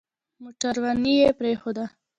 موټرواني يې پرېښوده.